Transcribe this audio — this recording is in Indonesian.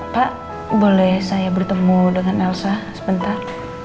pak boleh saya bertemu dengan elsa sebentar